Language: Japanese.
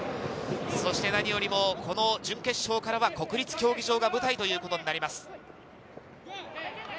何よりも準決勝からは国立競技場が舞台ということになります。